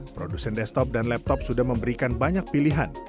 produsen desktop dan laptop sudah memberikan banyak pilihan